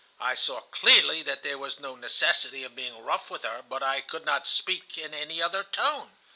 "I saw clearly that there was no necessity of being rough with her, but I could not speak in any other tone.